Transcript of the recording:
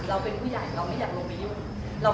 เราเป็นผู้ใหญ่เราไม่อยากลงไปยุ่ง